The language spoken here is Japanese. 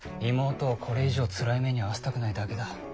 妹をこれ以上つらい目に遭わせたくないだけだ。